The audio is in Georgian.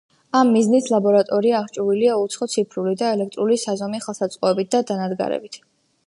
ამ მიზნით ლაბორატორია აღჭურვილია უცხოური ციფრული და ელექტრული საზომი ხელსაწყოებით და დანადგარებით.